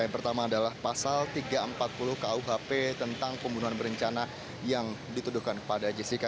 yang pertama adalah pasal tiga ratus empat puluh kuhp tentang pembunuhan berencana yang dituduhkan kepada jessica